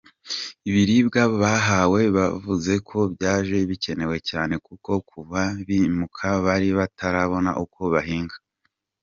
Ibiribwa bahawe bavuze ko byaje bikenewe cyane kuko kuva bimuka bari batarabona uko bahinga.